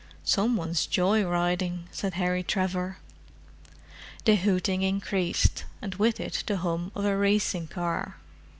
"Some one's joy riding," said Harry Trevor. The hooting increased, and with it the hum of a racing car.